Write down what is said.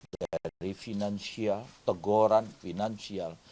dari finansial teguran finansial